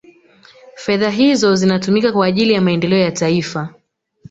fedha hizo zinatumika kwa ajili ya maendeleo ya taifa